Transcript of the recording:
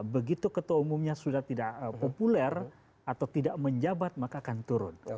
begitu ketua umumnya sudah tidak populer atau tidak menjabat maka akan turun